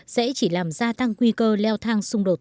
sẽ chỉ làm gia tăng nguy cơ leo thang xung đột